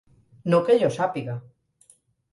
No que jo sàpiga.